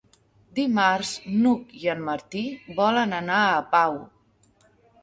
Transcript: Dimarts n'Hug i en Martí volen anar a Pau.